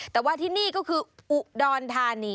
แต่ว่าที่นี่ก็คืออุดรธานี